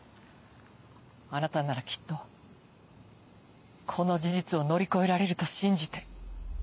あなたならきっとこの事実を乗り越えられると信じて。